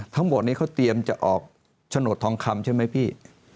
ทั้งหมดนี้เขาเตรียมจะออกโฉนดทองคำใช่ไหมพี่